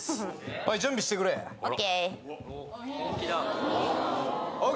はい準備してくれＯＫＯＫ